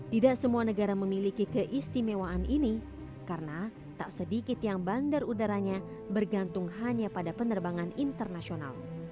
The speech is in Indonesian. tidak semua negara memiliki keistimewaan ini karena tak sedikit yang bandar udaranya bergantung hanya pada penerbangan internasional